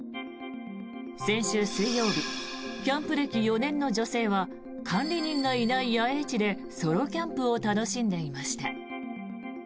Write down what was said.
先週水曜日キャンプ歴４年の女性は管理人がいない野営地でソロキャンプを楽しんでいました。